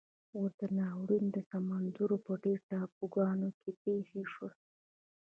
ورته ناورینونه د سمندرونو په ډېرو ټاپوګانو کې پېښ شول.